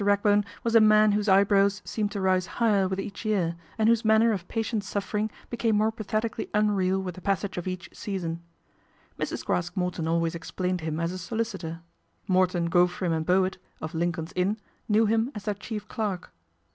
Ragbone was a man whose eyebrows seemed to rise higher with each year, and whose manner of patient suffering became more pathetically unreal witfc the passage of each season. Mrs. Craske Morton always explained him as a solicitor. Morton, Gofrim and Bowett, of Lincoln's Inn, knew him as their chief clerk.